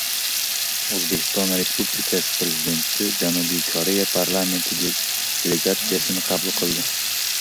O‘zbekiston Prezidenti Janubiy Koreya parlamenti delegatsiyasini qabul qildi